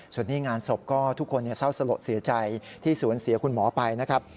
ส่วนนี้งานศพก็ทุกคนเศร้าสลดเสียใจที่สูญเสียคุณหมอไปนะครับ